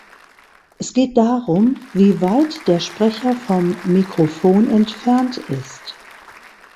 Es geht darum, wie weit der Sprecher vom Mikrophon entfernt ist.